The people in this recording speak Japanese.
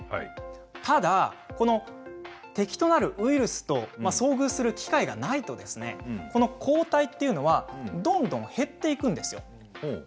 ただ敵となるウイルスと遭遇する機会がないと抗体というのはどんどん減っていくんです。